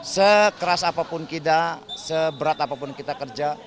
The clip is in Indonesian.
sekeras apapun kita seberat apapun kita kerja